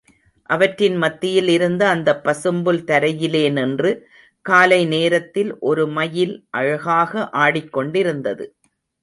அவற்றின் மத்தியில் இருந்த அந்தப் பசும்புல் தரையிலே நின்று, காலை நேரத்தில் ஒரு மயில் அழகாக ஆடிக் கொண்டிருந்தது.